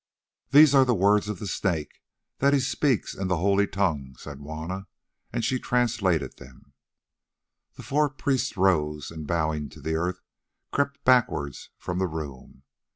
"These are the words of the Snake that he speaks in the holy tongue," said Juanna, and she translated them. The four priests rose, and bowing to the earth, crept backwards from the room.